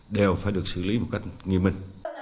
đều phải được xử lý một cách nghi mật